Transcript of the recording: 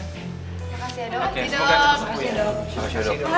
terima kasih ya dok